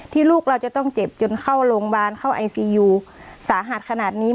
ลูกเราจะต้องเจ็บจนเข้าโรงพยาบาลเข้าไอซียูสาหัสขนาดนี้